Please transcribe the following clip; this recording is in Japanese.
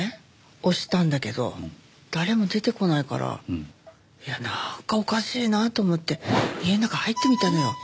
押したんだけど誰も出てこないからなんかおかしいなと思って家の中入ってみたのよ。